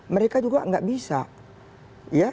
mereka juga nggak bisa